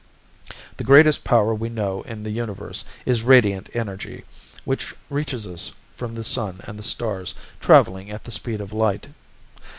"The greatest power we know in the universe is radiant energy, which reaches us from the sun and the stars, traveling at the speed of light."